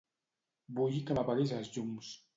Vull que m'apaguis els llums.